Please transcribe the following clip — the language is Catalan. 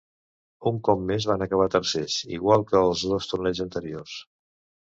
Un cop més van acabar tercers, igual que als dos torneigs anteriors.